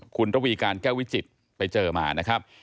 คุณระวีการแก้ววิจิตรไปเจอมานะครับ